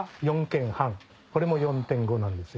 これも４．５なんですよ。